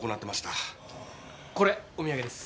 これお土産です。